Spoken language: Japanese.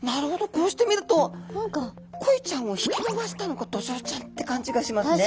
こうして見るとコイちゃんを引き伸ばしたのがドジョウちゃんって感じがしますね。